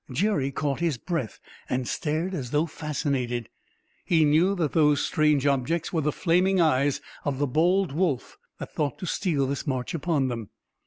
Jerry caught his breath, and stared as though fascinated. He knew that those strange objects were the flaming eyes of the bold wolf that thought to steal this march upon them.